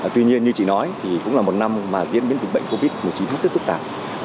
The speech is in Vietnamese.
tuy nhiên như chị nói thì cũng là một năm mà diễn biến dịch bệnh covid một mươi chín hết sức phức tạp